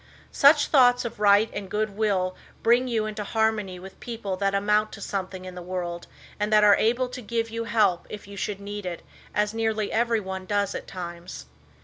Such thoughts of Right and Good Will bring you into harmony with people that amount to something in the world and that are able to give you help if you should need it, as nearly everyone does at times.